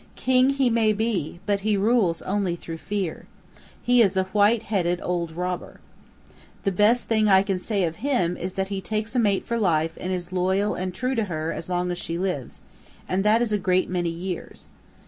King he may he, but he rules only through fear. He is a white headed old robber. The best thing I can say of him is that he takes a mate for life and is loyal and true to her as long as she lives, and that is a great many years.